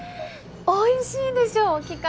おいしいでしょ期間